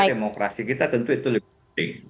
demokrasi kita tentu itu lebih penting